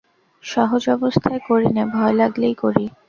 সহজ অবস্থায় করি নে, ভয় লাগলেই করি।